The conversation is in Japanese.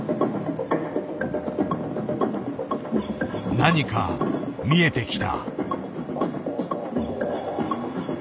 何か見えてきた。